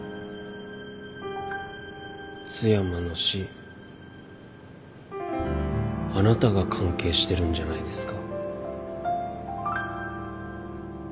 津山の死あなたが関係してるんじゃないですか？